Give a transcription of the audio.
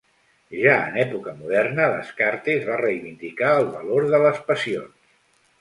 Ja en època moderna, Descartes va reivindicar el valor de les passions.